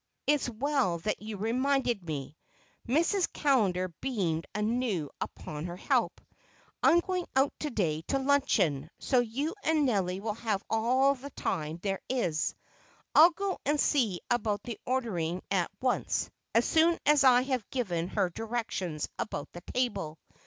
It's well that you reminded me." Mrs. Callender beamed anew upon her help. "I'm going out to day to luncheon, so you and Nelly will have all the time there is. I'll go and see about the ordering at once as soon as I have given her directions about the table.